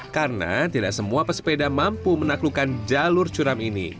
karena tidak semua pesepeda mampu menaklukkan jalur curam ini